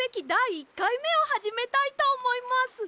１かいめをはじめたいとおもいます。